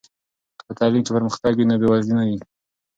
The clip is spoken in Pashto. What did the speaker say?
که په تعلیم کې پرمختګ وي، نو بې وزلي نه ده.